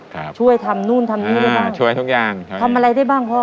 ครับช่วยทำนู่นทำนี่ได้บ้างช่วยทุกอย่างช่วยทำอะไรได้บ้างพ่อ